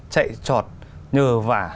chạy trọt nhờ vả